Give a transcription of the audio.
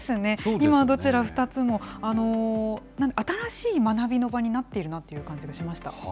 今、どちら２つも新しい学びの場になっているなという感じがしました。